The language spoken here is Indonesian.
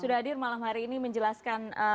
sudah hadir malam hari ini menjelaskan